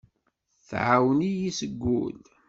Tɛawen-iyi seg wul.